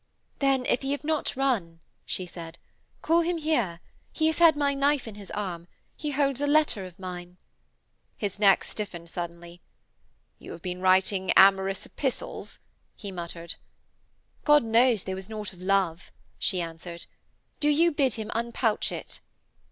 'Then, if he have not run,' she said. 'Call him here. He has had my knife in his arm. He holds a letter of mine.' His neck stiffened suddenly. 'You have been writing amorous epistles?' he muttered. 'God knows there was naught of love,' she answered. 'Do you bid him unpouch it.'